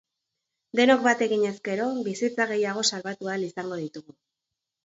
Denok bat eginez gero, bizitza gehiago salbatu ahal izango ditugu.